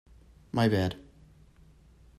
My bad!